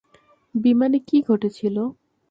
বিমানে কী ঘটেছিল?